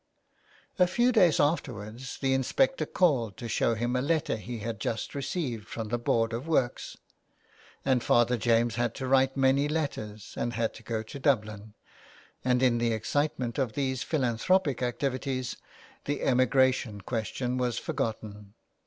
A few days afterwards the inspector called to show him a letter he had just received from the Board of Works, and Father James had to write many letters and had to go to Dublin, and in the excitement of these philanthropic activities the emigration question 189 A LETTER TO ROME. was forgotten.